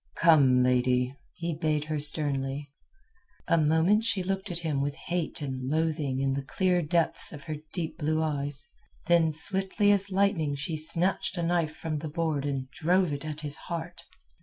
"Come, lady," he bade her sternly. A moment she looked at him with hate and loathing in the clear depths of her deep blue eyes. Then swiftly as lightning she snatched a knife from the board and drove it at his heart.